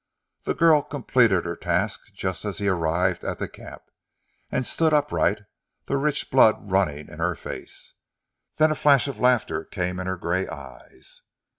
The girl completed her task just as he arrived at the camp, and stood upright, the rich blood running in her face. Then a flash of laughter came in her grey eyes.